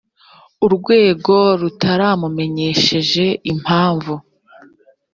urwego rutaramumenyesheje impamvu